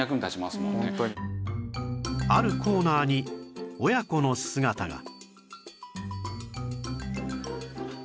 あるコーナーに親子の姿が